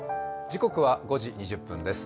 時刻は５時２０分です。